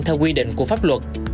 theo quy định của pháp luật